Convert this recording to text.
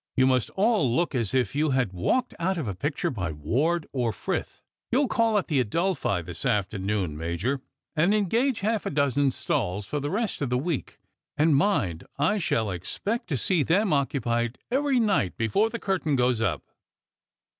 You must all look as if you had walked out of a picture by Ward or Frith. You'll call at the Adelphi this afternoon, Major, and engage half a dozen stalls for the rest of the week ; and mind, I shall expect to see them occupied every night before the curtain goes up."